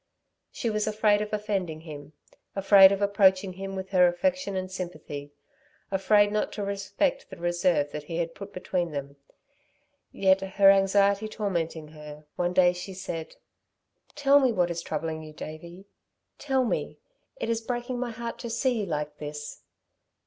She was afraid of offending him, afraid of approaching him with her affection and sympathy, afraid not to respect the reserve that he had put between them. Yet her anxiety tormenting her, one day she said: "Tell me what is troubling you, Davey? Tell me. It is breaking my heart to see you like this."